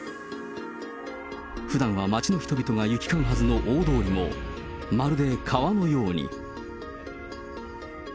ふだんは町の人々が行き交うはずの大通りも、まるで川のように。